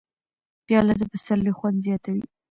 پیاله د پسرلي خوند زیاتوي.